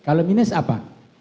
kalau minus apa